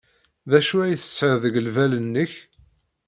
D acu ay tesɛiḍ deg lbal-nnek?